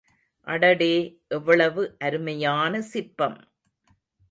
அடடே, எவ்வளவு அருமையான சிற்பம்!